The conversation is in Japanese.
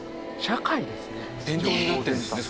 伝統になってるんですね